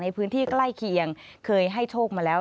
ในพื้นที่ใกล้เคียงเคยให้โชคมาแล้ว